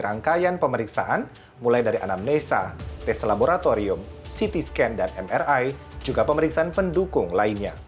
rangkaian pemeriksaan mulai dari anamnesa tes laboratorium ct scan dan mri juga pemeriksaan pendukung lainnya